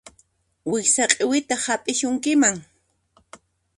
Wiksa q'iwiytaq hap'isunkiman.